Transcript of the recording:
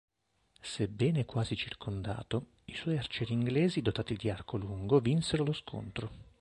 Sebbene quasi circondato, i suoi arcieri inglesi dotati di arco lungo vinsero lo scontro.